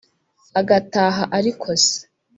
agataha ariko se